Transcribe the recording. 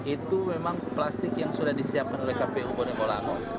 itu memang plastik yang sudah disiapkan oleh kpu bonegolango